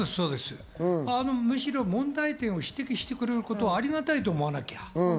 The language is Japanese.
むしろ問題点を指摘してくれることをありがたいと思わなくちゃ。